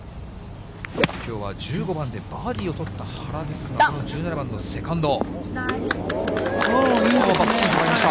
きょうは１５番でバーディーを取った原ですが、１７番のセカンド。